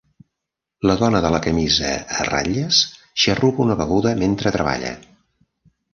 La dona de la camisa a ratlles xarrupa una beguda mentre treballa.